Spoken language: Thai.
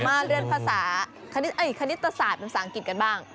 เดี๋ยวมาเลื่อนภาษาคณิตศาสตร์เป็นศาลอังกฤษกันบ้าง